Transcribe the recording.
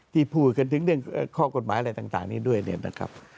พูดกันถึงเรื่องข้อกฎหมายอะไรต่างนี้ด้วยเนี่ยนะครับ